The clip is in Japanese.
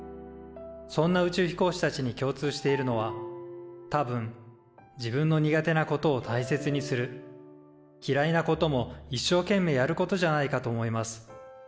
そんな宇宙飛行士たちに共通しているのは多分自分の苦手なことを大切にするきらいなこともいっしょうけんめいやることじゃないかと思います。